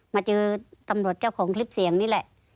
มาเจอตำรวจเจ้าของคลิปเสียงนี่แหละ